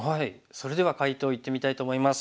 それでは解答いってみたいと思います。